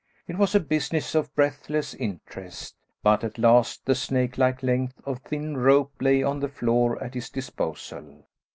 It was a business of breathless interest, but at last the snake like length of thin rope lay on the floor at his disposal.